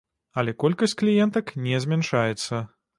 Але колькасць кліентак не змяншаецца.